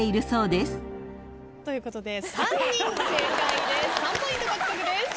３ポイント獲得です。